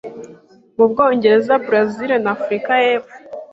mu Bwongereza, Brazil n'Afurika y'epfo.